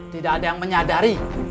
tidak ada yang menyadari